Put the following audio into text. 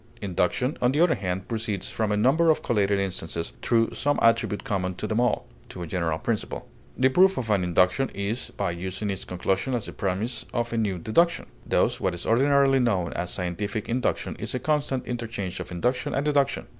Induction, on the other hand, proceeds from a number of collated instances, through some attribute common to them all, to a general principle. The proof of an induction is by using its conclusion as the premise of a new deduction. Thus what is ordinarily known as scientific induction is a constant interchange of induction and deduction.